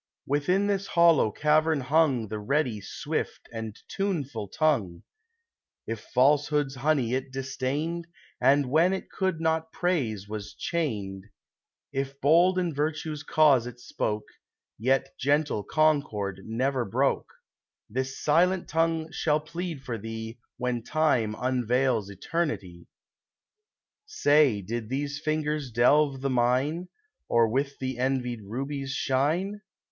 Within this hollow cavern hung The ready, swift, and tuneful tongue : If Falsehood's honey it disdained, And when it could not praise was chained ; If bold in Virtue's cause it spoke, Yet gentle concord never broke, — LIFE. 299 This silent tongue shall plead for thee When Time unveils Eternity ! Say, did these fingers delve the mine, Or with the envied rubies shine